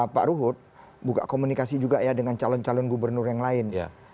pak ruhut buka komunikasi juga ya dengan calon calon gubernur yang lain